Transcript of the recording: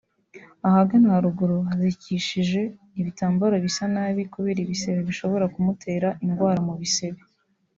ahagana haruguru hazikishije ibitambaro bisa nabi kubera ibisebe bishobora kumutera indwara mu bisebe